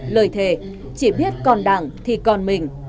lời thề chỉ biết còn đảng thì còn mình